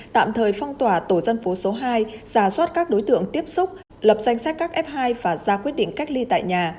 tạm thời phong tỏa tổ dân phố số hai giả soát các đối tượng tiếp xúc lập danh sách các f hai và ra quyết định cách ly tại nhà